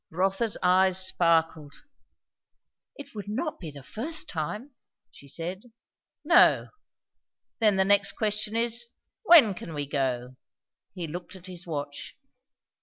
Rotha's eyes sparkled. "It would not be the first time," she said. "No. Then the next question is, when can we go?" He looked at his watch.